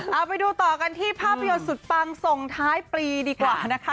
เอาไปดูต่อกันที่ภาพยนตร์สุดปังส่งท้ายปีดีกว่านะคะ